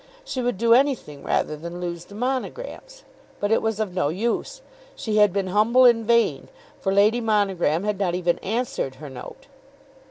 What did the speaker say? She would do anything rather than lose the Monograms. But it was of no use. She had been humble in vain, for Lady Monogram had not even answered her note.